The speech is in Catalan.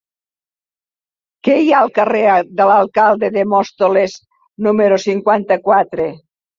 Què hi ha al carrer de l'Alcalde de Móstoles número cinquanta-quatre?